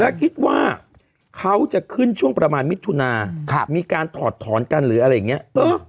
แล้วคิดว่าเขาจะขึ้นช่วงประมาณมิถุนามีการถอดถอนกันหรืออะไรอย่างนี้